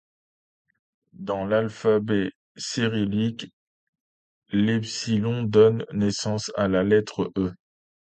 Dans l'alphabet cyrillique, l'epsilon donne naissance à la lettre Е.